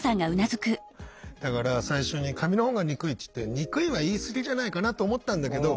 だから最初に「紙の本が憎い」って言って憎いは言い過ぎじゃないかなと思ったんだけど